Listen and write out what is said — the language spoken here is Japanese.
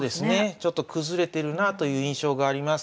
ちょっと崩れてるなという印象があります。